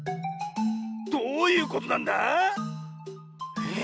どういうことなんだ⁉えっ。